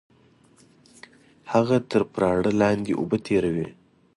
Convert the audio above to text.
هغه تر پراړه لاندې اوبه تېروي